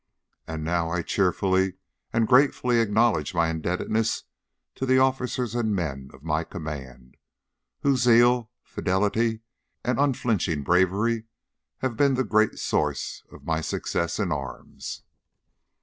And I now cheerfully and gratefully acknowledge my indebtedness to the officers and men of my command, whose zeal, fidelity and unflinching bravery have been the great source of my success in arms.